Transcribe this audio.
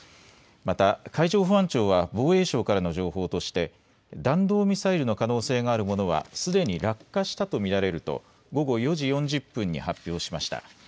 また海上保安庁は防衛省からの情報として弾道ミサイルの可能性があるものはすでに落下したと見られると午後４時４０分に発表しました。